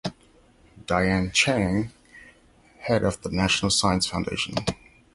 Diane Chang -- Head of the National Science Foundation.